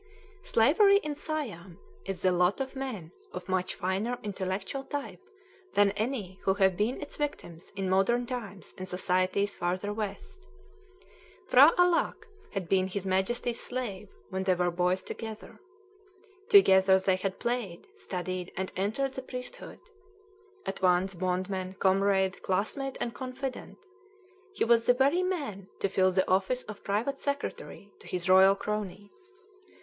Slavery in Siam is the lot of men of a much finer intellectual type than any who have been its victims in modern times in societies farther west. P'hra Alâck had been his Majesty's slave when they were boys together. Together they had played, studied, and entered the priesthood. At once bondman, comrade, classmate, and confidant, he was the very man to fill the office of private secretary to his royal crony.